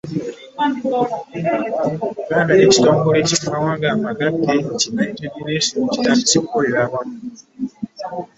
Obuganda n'ekitongole ky'amawanga amagatte ki United Nations batandise okukolera awamu.